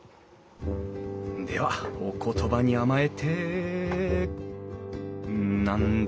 ではお言葉に甘えて何だ？